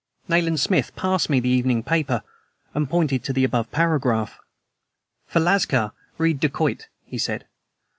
Nayland Smith passed me the evening paper and pointed to the above paragraph. "For 'lascar' read 'dacoit,'" he said.